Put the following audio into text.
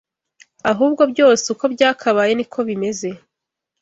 ahubwo byose uko byakabaye niko bimeze